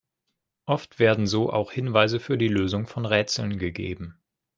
Oft werden so auch Hinweise für die Lösung von Rätseln gegeben.